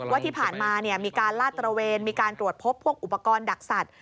ว่าที่ผ่านมาเนี่ยมีการลาดตรวจพวกอุปกรณ์ดักศัตริย์